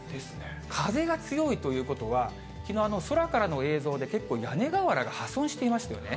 風が強いということは、きのう、空からの映像で結構、屋根瓦が破損していましたよね。